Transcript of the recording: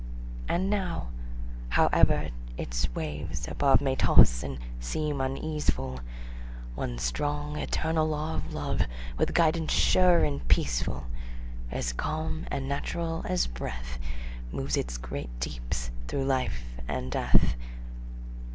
And now, howe'er its waves above May toss and seem uneaseful, One strong, eternal law of Love, With guidance sure and peaceful, As calm and natural as breath, Moves its great deeps through life and death.